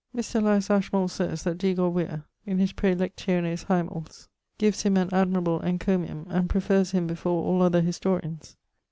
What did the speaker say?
Mr. Elias Ashmole saies that Degore Whear in his Praelectiones Hyemales gives him an admirable encomium, and preferres him before all other historians.